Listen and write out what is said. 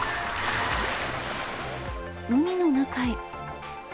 海の中へ。